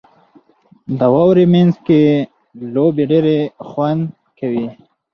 • د واورې مینځ کې لوبې ډېرې خوند کوي.